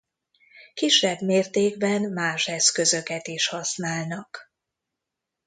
Kisebb mértékben más eszközöket is használnak.